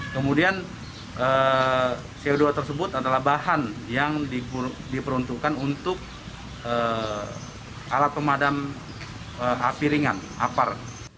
kemudian co dua tersebut adalah bahan yang diperuntukkan untuk alat pemadam api ringan apar